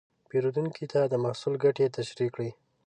پیرودونکي ته د محصول ګټې تشریح کړئ.